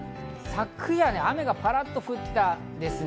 昨夜、雨がパラっと来たんですね。